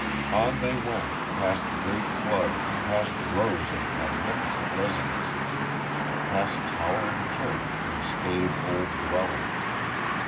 On they went, past great club, past rows of magnificent residences, past towering church and staid old dwelling.